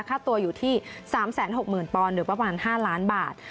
ค่าตัวอยู่ที่๓๖๐๐๐ปอนด์หรือประมาณ๕ล้านบาท